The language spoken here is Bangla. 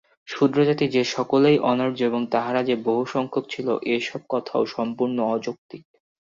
শূদ্রজাতি যে সকলেই অনার্য এবং তাহারা যে বহুসংখ্যক ছিল, এ-সব কথাও সম্পূর্ণ অযৌক্তিক।